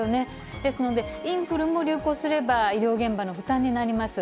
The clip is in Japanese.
ですので、インフルも流行すれば、医療現場の負担になります。